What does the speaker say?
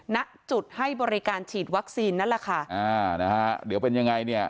ณจุดให้บริการฉีดวัคซีนนั่นแหละค่ะอ่านะฮะเดี๋ยวเป็นยังไงเนี่ย